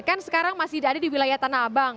kan sekarang masih ada di wilayah tanah abang